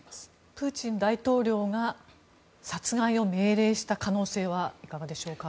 プーチン大統領が殺害を命令した可能性はいかがでしょうか？